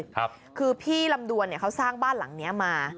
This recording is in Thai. คือพี่ลำดวนเนี่ยเขาสร้างบ้านหลังเนี้ยมา